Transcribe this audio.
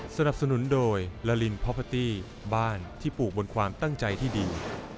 สนับสนุนโดยลาลินพอพาตี้บ้านที่ปลูกบนความตั้งใจที่ดี